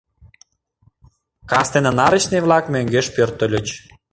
Кастене нарочный-влак мӧҥгеш пӧртыльыч.